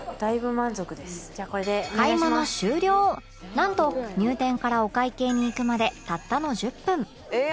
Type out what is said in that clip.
なんと入店からお会計にいくまでたったの１０分